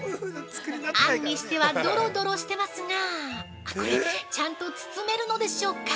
◆あんにしてはどろどろしてますがこれ、ちゃんと包めるのでしょうか。